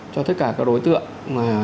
cho tất cả các đối tượng